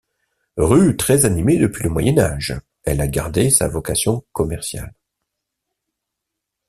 Rue très animée depuis le Moyen Âge, elle a gardé sa vocation commerciale.